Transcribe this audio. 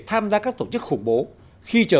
tham gia các tổ chức khủng bố